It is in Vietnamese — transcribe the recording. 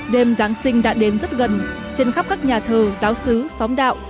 đêm giáng sinh đã đến rất gần trên khắp các nhà thờ giáo sứ xóm đạo